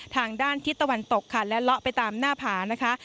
ทางด้านทิศตะวันตกค่ะและเลาะไปตามหน้าผานะคะ